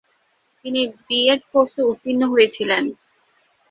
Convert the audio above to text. তিনি বিএড কোর্সে উত্তীর্ণ হয়েছিলেন।